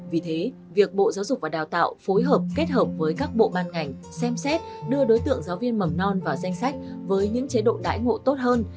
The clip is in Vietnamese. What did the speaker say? vì thế việc bộ giáo dục và đào tạo phối hợp kết hợp với các bộ ban ngành xem xét đưa đối tượng giáo viên mầm non vào danh sách với những chế độ đãi ngộ tốt hơn